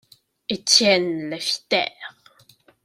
Étienne la fit taire.